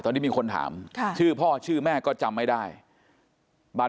คือสิ่งที่เราติดตามคือสิ่งที่เราติดตาม